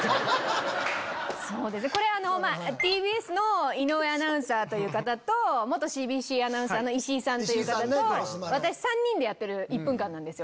ＴＢＳの井上アナウンサーという方と元ＣＢＣアナウンサーの石井さんと私３人でやってる１分間なんです。